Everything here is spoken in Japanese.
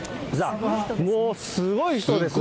もう、すごい人ですね。